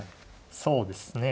そうですね。